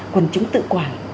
quần chúng tự quản